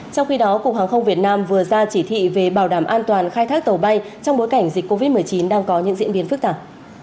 trong khi đó cục hàng không việt nam vừa ra chỉ thị về bảo đảm an toàn khai thác tàu bay trong bối cảnh dịch covid một mươi chín đang có những diễn biến phức tạp